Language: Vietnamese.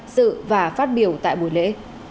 sự và phát biểu tại buổi lễ